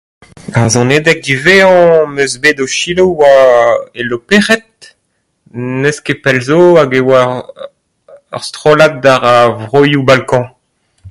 Ar sonadeg diwezhañ 'm eus bet o selaou a oa e Loperc'hed n'eus ket pell zo hag e oa ur strollad d'ar vroioù balkan.